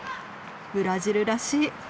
ブラジルらしい。